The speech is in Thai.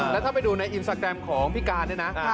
แล้วถ้าไปดูในอินสตาแกรมของพี่การเนี่ยนะ